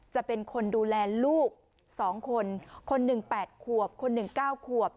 จะเป็นคนดูแลลูกสองคนคนหนึ่งแปดขวบคนหนึ่งเก้าขวบ